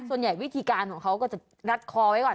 ส่วนใหญ่วิธีการของเขาก็จะรัดคอไว้ก่อน